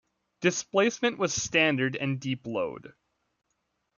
Displacement was standard and deep load.